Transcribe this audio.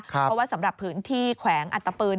เพราะว่าสำหรับพื้นที่แขวงอัตตปือ